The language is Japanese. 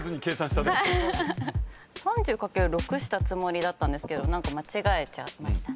３０×６したつもりだったんですが何か間違えちゃいましたね。